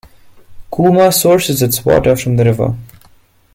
Cooma sources its water from the river.